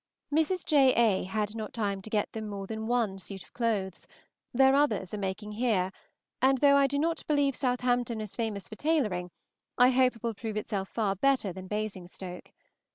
Mrs. J. A. had not time to get them more than one suit of clothes; their others are making here, and though I do not believe Southampton is famous for tailoring, I hope it will prove itself better than Basingstoke.